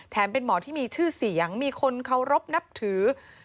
เป็นหมอที่มีชื่อเสียงมีคนเคารพนับถือ